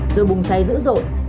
rồi bùng cháy dữ dội